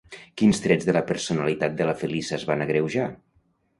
Quins trets de la personalitat de la Feliça es van agreujar?